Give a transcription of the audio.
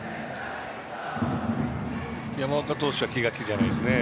山岡投手は気が気じゃないですね。